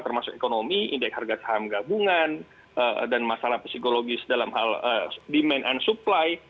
termasuk ekonomi indeks harga saham gabungan dan masalah psikologis dalam hal demand and supply